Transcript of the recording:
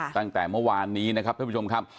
ตั้งแต่เมื่อวานนี้นะครับท่านผู้ชมครับ